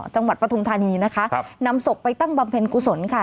จังหวัดปฐมธานีนะคะนำศพไปตั้งบำเพ็ญกุศลค่ะ